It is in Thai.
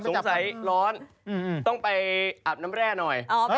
ร้อนต้องไปอาบน้ำแร่หน่อย